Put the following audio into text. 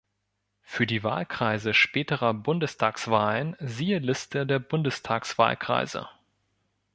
Für die Wahlkreise späterer Bundestagswahlen siehe Liste der Bundestagswahlkreise.